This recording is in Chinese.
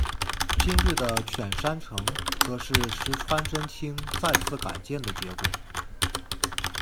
今日的犬山城则是石川贞清再次改建的结果。